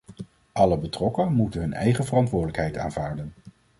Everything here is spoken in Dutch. Alle betrokken moeten hun eigen verantwoordelijkheid aanvaarden.